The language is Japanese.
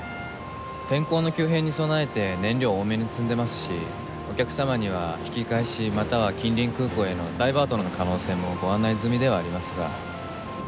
天候の急変に備えて燃料多めに積んでますしお客様には引き返しまたは近隣空港へのダイバートの可能性もご案内済みではありますが。